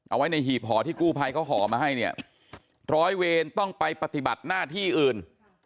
เอาไว้ในหีบห่อที่กู้ภัยเขาห่อมาให้เนี่ยร้อยเวรต้องไปปฏิบัติหน้าที่อื่น